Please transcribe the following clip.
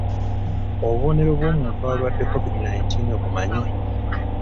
Obubonero bw'omuntu alwadde COVID nineteen obumanyi?